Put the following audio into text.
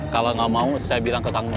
kalau nggak mau saya bilang ke kamu